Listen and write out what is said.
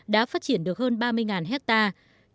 đã phát triển được hơn ba mươi hectare